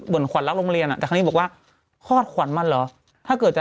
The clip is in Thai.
แม่ปลื้มแม่โอเค